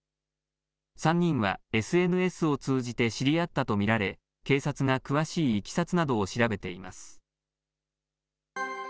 ３人はＳＮＳを通じて知り合ったと見られ、警察が詳しいいきさつなどを調べています。